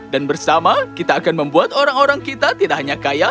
dan bersama kita akan membuat orang orang kita tidak hanya kaya